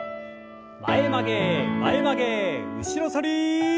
前曲げ前曲げ後ろ反り。